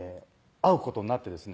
会うことになってですね